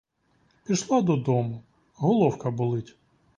Пішла додому, головка болить.